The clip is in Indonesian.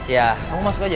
ya kamu masuk aja